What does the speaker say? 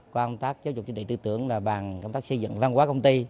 qua công tác giáo dục chính trị tư tưởng là bàn công tác xây dựng văn hóa công ty